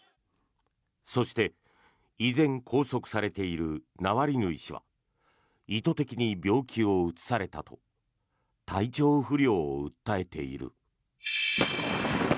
そして、依然拘束されているナワリヌイ氏は意図的に病気をうつされたと体調不良を訴えている。